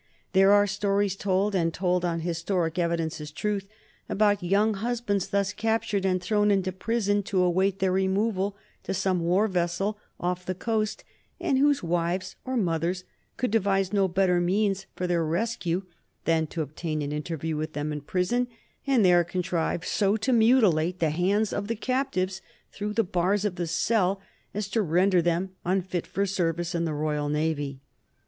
There are stories told, and told on historic evidence as truth, about young husbands thus captured and thrown into prison to await their removal to some war vessel off the coast, and whose wives or mothers could devise no better means for their rescue than to obtain an interview with them in the prison, and there contrive so to mutilate the hands of the captives through the bars of the cell as to render them unfit for service in the Royal Navy.